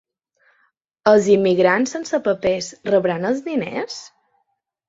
Els immigrants sense papers rebran els diners?